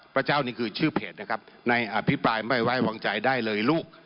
พระเจ้านี่คือชื่อเพจนะครับในอภิปรายไม่ไว้วางใจได้เลยลูก